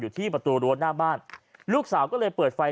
ที่ประตูรั้วหน้าบ้านลูกสาวก็เลยเปิดไฟ